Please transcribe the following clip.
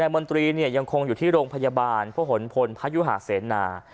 มนตรียังคงอยู่ที่โรงพยาบาลพระหลพลพยุหาเสนา